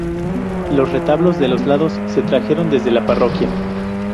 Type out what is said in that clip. Los retablos de los lados se trajeron desde la parroquia.